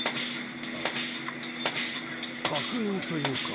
ぁ確認というか。